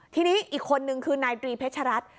ทีนี้อีกคนนึงคือนายตรีเพชรัตน์